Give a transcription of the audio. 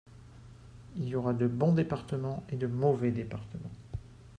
Il y aura de bons départements et de mauvais départements